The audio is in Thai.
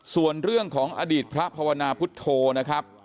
ส่วนเรื่องของอดีตพระภาวนาพุทธโธนะครับ